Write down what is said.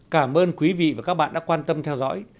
cảm ơn quý vị và các bạn đã quan tâm theo dõi